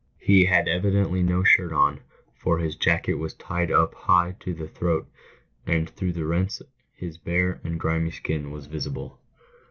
He had evidently no shirt on, for his jacket was tied high up to the throat, and through the rents his bare and grimy skin was visible.